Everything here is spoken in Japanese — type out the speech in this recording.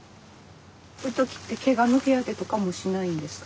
そういう時ってけがの手当てとかもしないんですか？